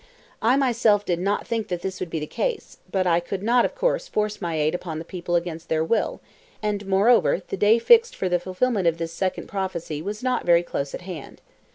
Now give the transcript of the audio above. I myself did not think that this would be the case, but I could not of course force my aid upon the people against their will; and, moreover, the day fixed for the fulfilment of this second prophecy was not very close at hand.